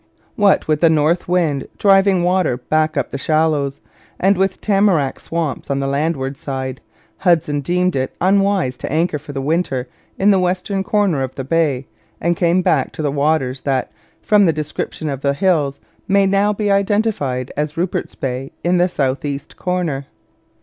What with the north wind driving water back up the shallows, and with tamarac swamps on the landward side, Hudson deemed it unwise to anchor for the winter in the western corner of the Bay, and came back to the waters that, from the description of the hills, may now be identified as Rupert Bay, in the south east corner.